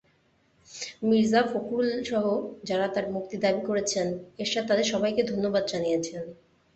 মির্জা ফখরুলসহ যাঁরা তাঁর মুক্তি দাবি করেছেন, এরশাদ তাঁদের সবাইকে ধন্যবাদ জানিয়েছেন।